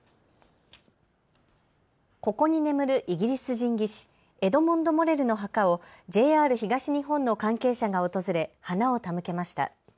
ここに眠るイギリス人技師、エドモンド・モレルの墓をＪＲ東日本の関係者が訪れ花を手向けました。